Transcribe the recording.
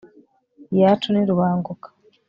iyacu ni rubanguka